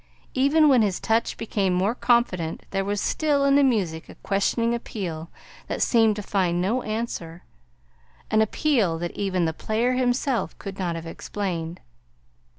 Even when his touch became more confident, there was still in the music a questioning appeal that seemed to find no answer an appeal that even the player himself could not have explained.